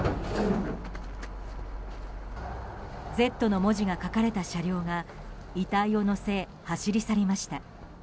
「Ｚ」の文字が書かれた車両が遺体を載せ、走り去りました。